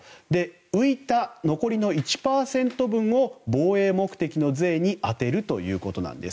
浮いた残りの１％分を防衛目的の税に充てるということなんです。